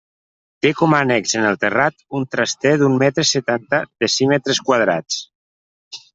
Té com a annex en el terrat un traster d'un metre setanta decímetres quadrats.